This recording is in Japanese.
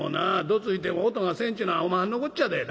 どついても音がせんっちゅうのはおまはんのこっちゃで。